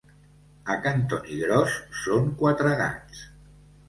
A Cantonigròs són quatre gats.